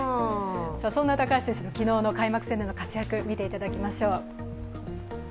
そんな高橋選手の昨日の開幕戦での活躍見ていただきましょう。